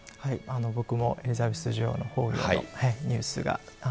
僕もエリザベス女王の崩御のニュースが。